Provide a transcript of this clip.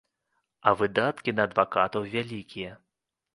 А выдаткі на адвакатаў вялікія.